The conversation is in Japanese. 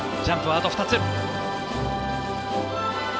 ジャンプはあと２つ。